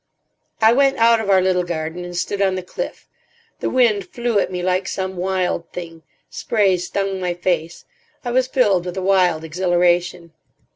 I went out of our little garden, and stood on the cliff. The wind flew at me like some wild thing. Spray stung my face. I was filled with a wild exhilaration.